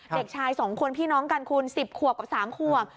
เด็กชาย๒คนพี่น้องกันคุณ๑๐ขวบกับ๓ขวบ